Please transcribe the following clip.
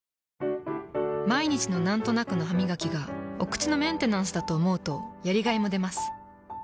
毎日のなんとなくのハミガキがお口のメンテナンスだと思うとやりがいもでます。